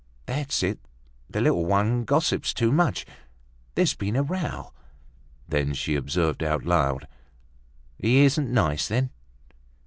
"That's it, the little one gossips too much. There's been a row." Then, she observed out loud, "He isn't nice, then?"